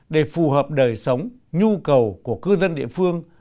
để phù hợp đời sống nhu cầu của cư dân địa phương